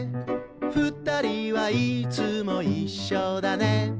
「ふたりはいつもいっしょだね」